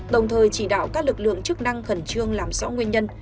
đồng thời chỉ đạo các lực lượng chức năng khẩn trương làm rõ nguyên nhân